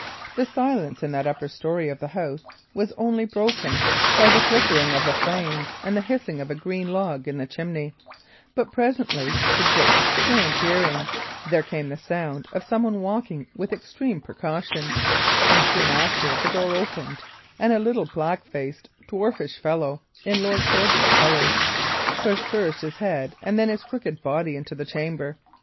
The silence, in that upper storey of the house, was only broken by the flickering of the flames and the hissing of a green log in the chimney; but presently, to Dick's strained hearing, there came the sound of some one walking with extreme precaution; and soon after the door opened, and a little black faced, dwarfish fellow, in Lord Shoreby's colours, pushed first his head, and then his crooked body, into the chamber.